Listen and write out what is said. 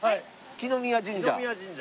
來宮神社。